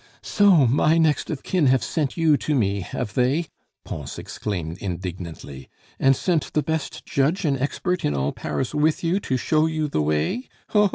"So my next of kin have sent you to me, have they?" Pons exclaimed indignantly, "and sent the best judge and expert in all Paris with you to show you the way?